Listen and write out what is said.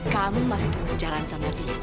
kamu masih terus jalan sama dia